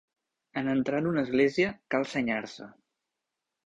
En entrar en una església cal senyar-se.